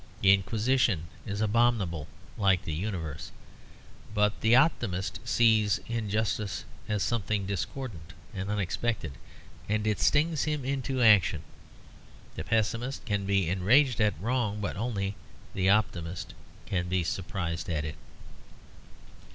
The Inquisition is abominable like the universe. But the optimist sees injustice as something discordant and unexpected, and it stings him into action. The pessimist can be enraged at wrong; but only the optimist can be surprised at it.